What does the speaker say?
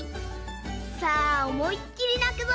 さあおもいっきりなくぞ。